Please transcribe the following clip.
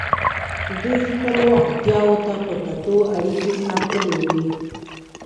دوی خپلو اړتیاوو ته په کتو اړیکې ساتلې وې.